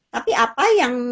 tapi apa yang